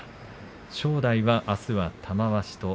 正代は、あすは玉鷲と。